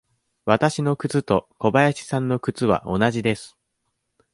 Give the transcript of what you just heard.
わたしの靴と小林さんの靴は同じです。